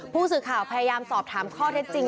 ผู้สื่อข่าวพยายามสอบถามข้อเท็จจริง